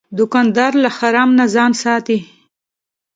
دوکاندار له حرام نه ځان ساتي.